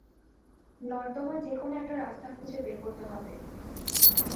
নর্দমার যেকোনো একটা রাস্তা খুঁজে বের করতে হবে।